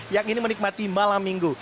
yang ini menikmati malam minggu